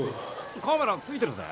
カメラついてるぜ。